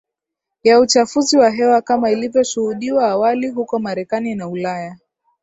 ya uchafuzi wa hewa kama ilivyoshuhudiwa awali huko Marekani na Ulaya